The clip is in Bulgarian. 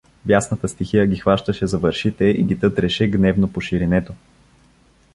Бясната стихия ги хващаше за вършите и ги тътреше гневно по ширинето.